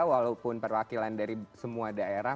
walaupun perwakilan dari semua daerah